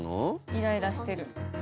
イライラしてる。